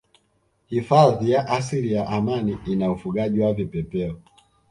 Hifadhi ya asili ya Amani ina ufugaji wa Vipepeo